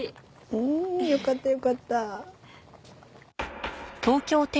うんよかったよかった。